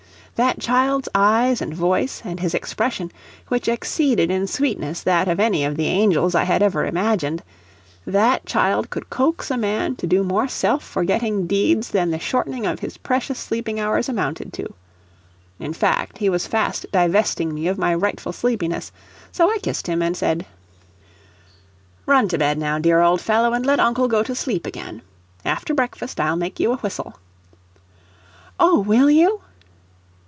That child's eyes and voice, and his expression, which exceeded in sweetness that of any of the angels I had ever imagined, that child could coax a man to do more self forgetting deeds than the shortening of his precious sleeping hours amounted to. In fact, he was fast divesting me of my rightful sleepiness, so I kissed him and said: "Run to bed, now, dear old fellow, and let uncle go to sleep again. After breakfast, I'll make you a whistle." "Oh, will you?"